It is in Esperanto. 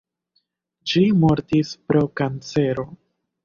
Ŝi mortis pro kancero.